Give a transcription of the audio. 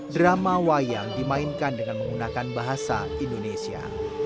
drama wayang dimainkan dengan menggunakan bahasa indonesia